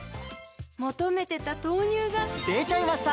求めてた豆乳がでちゃいました！